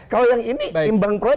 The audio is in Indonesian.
kalau yang ini tim bank proyek